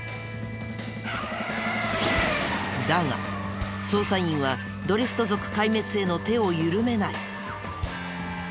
だが捜査員はドリフト族壊滅への手を緩めない。